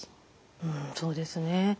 うんそうですね。